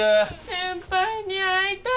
先輩に会いたい！